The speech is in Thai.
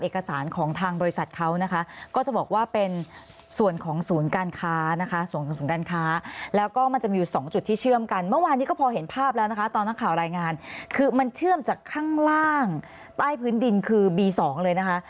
ข้างใต้พื้นดินคือบี๒เลยนะคะ